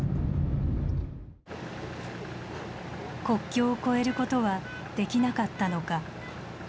国境を越えることはできなかったのか。